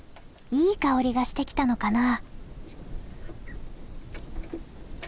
いい香りがしてきたのかな？